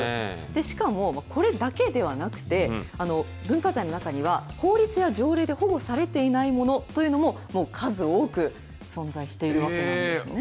しかも、これだけではなくて、文化財の中には法律や条例で保護されていないものというのも、数多く存在しているわけですね。